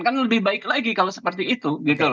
kan lebih baik lagi kalau seperti itu